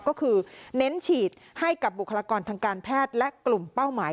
ก็คือเน้นฉีดให้กับบุคลากรทางการแพทย์และกลุ่มเป้าหมาย